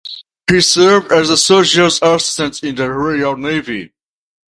He served as a surgeon's assistant in the Royal Navy.